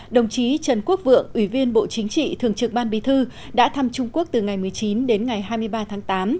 đồng chí trần quốc vượng ủy viên bộ chính trị thường trực ban bí thư đã thăm trung quốc từ ngày một mươi chín đến ngày hai mươi ba tháng tám